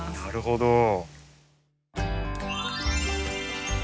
なるほど。